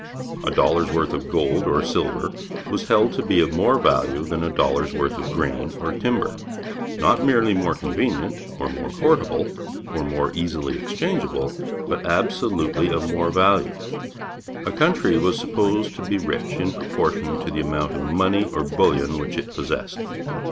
A dollar's worth of gold or silver was held to be of more value than a dollar's worth of grain or timber; not merely more convenient, or more portable, or more easily exchangeable, but absolutely of more value. A country was supposed to be rich in proportion to the amount of money or bullion which it possessed.